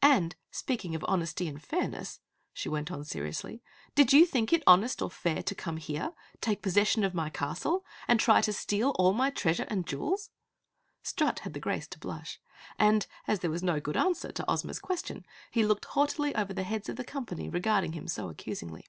"And speaking of honesty and fairness," she went on seriously, "did you think it honest or fair to come here, take possession of my castle, and try to steal all my treasure and jewels?" Strut had the grace to blush, and as there was no good answer to Ozma's question, he looked haughtily over the heads of the company regarding him so accusingly.